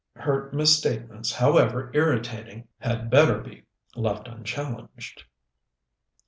Her mis statements, however irritating, had better be left unchallenged.